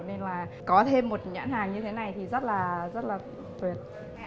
nên là có thêm một nhãn hàng như thế này thì rất là tuyệt